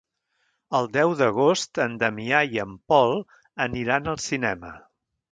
El deu d'agost en Damià i en Pol aniran al cinema.